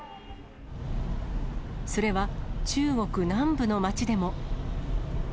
それは中国南部の町でも。